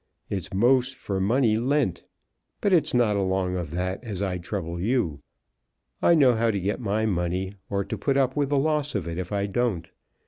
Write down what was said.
It's most for money lent; but it's not along of that as I'd trouble you. I know how to get my money, or to put up with the loss if I don't.